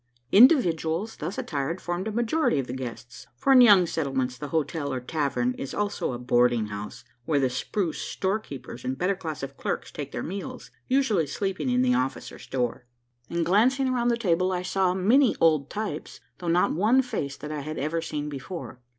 Individuals thus attired formed a majority of the guests for in young settlements the "hotel" or "tavern" is also a boarding house, where the spruce "storekeepers" and better class of clerks take their meals usually sleeping in the office or store. In glancing around the table, I saw many old "types," though not one face that I had ever seen before.